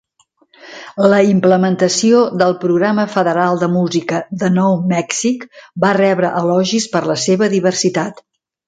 La implementació del Programa Federal de Música de nou Mèxic va rebre elogis per la seva diversitat.